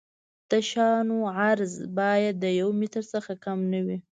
د شانو عرض باید د یو متر څخه کم نه وي